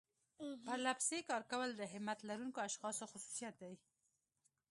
پرلپسې کار کول د همت لرونکو اشخاصو خصوصيت دی.